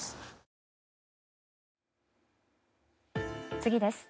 次です。